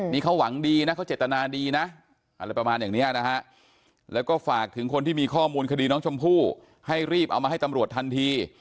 นี่เขาหวังดีนะเขาเจตนาดีนะอะไรประมาณอย่างนี้นะฮะแล้วก็ฝากถึงคนที่มีข้อมูลคดีน้องชมพู่ให้รีบเอามาให้ตำรวจทันที